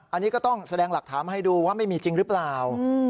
อันนี้ก็ต้องแสดงหลักฐานให้ดูว่าไม่มีจริงหรือเปล่า